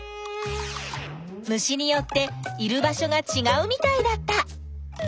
虫によっている場所がちがうみたいだった。